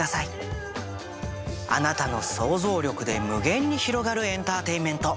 あなたの想像力で無限に広がるエンターテインメント。